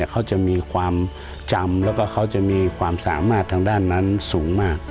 เขาจะมีความจำแล้วก็เขาจะมีความสามารถทางด้านนั้นสูงมาก